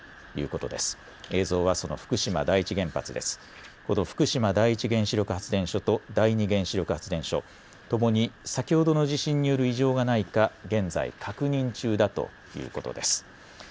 この福島第一原子力発電所と第二原子力発電所、ともに先ほどの地震による異常はないか、現在、確認中だということです。